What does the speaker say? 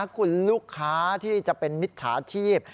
คุณลูกค้าที่จะเป็นมิจฉาชีพ